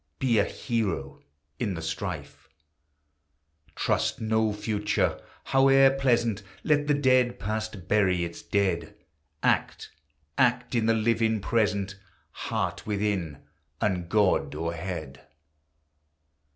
Be a hero in the strife ! Trust no Future, howe'er pleasant! Let the dead Past bury its dead! Act, — act in the living Present! Heart within, and God o'erhead!